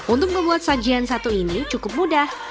untuk membuat sajian satu ini cukup mudah